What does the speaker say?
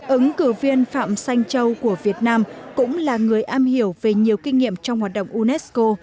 ứng cử viên phạm xanh châu của việt nam cũng là người am hiểu về nhiều kinh nghiệm trong hoạt động unesco